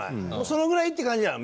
そのぐらいって感じなの？